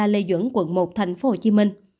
hai mươi ba lê duẩn quận một thành phố hồ chí minh